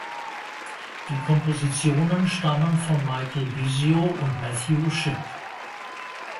Die Kompositionen stammen von Michael Bisio und Matthew Shipp.